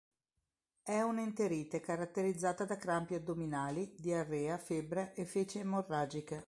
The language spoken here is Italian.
È un'enterite caratterizzata da crampi addominali, diarrea, febbre e feci emorragiche.